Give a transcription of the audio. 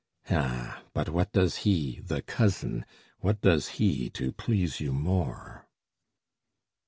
Ah, but what does he, The cousin! what does he to please you more?